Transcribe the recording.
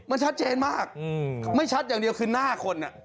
มันชัดเจนมากไม่ชัดอย่างเดียวคือหน้าคน